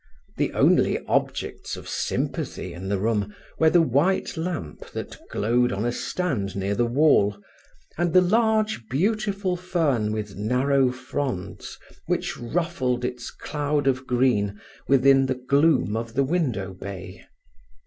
The only objects of sympathy in the room were the white lamp that glowed on a stand near the wall, and the large, beautiful fern, with narrow fronds, which ruffled its cloud of green within the gloom of the window bay.